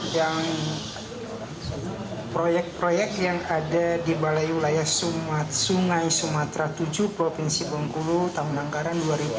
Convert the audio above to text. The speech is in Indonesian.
yang proyek proyek yang ada di balai wilayah sumat sungai sumatera tujuh